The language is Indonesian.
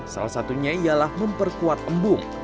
salah satunya ialah memperkuat embung